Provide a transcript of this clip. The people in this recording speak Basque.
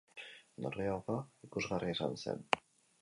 Norgehiagoka ikusgarria izan zen.